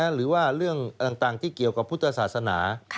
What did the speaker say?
หรือว่าเรื่องต่างที่เกี่ยวกับพุทธศาสนา